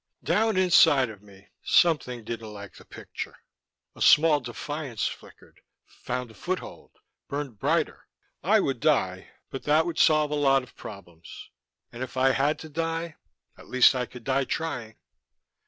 Down inside of me something didn't like the picture. A small defiance flickered, found a foothold, burned brighter. I would die ... but that would solve a lot of problems. And if I had to die, at least I could die trying.